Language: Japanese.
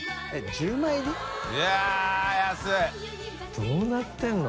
どうなってるの？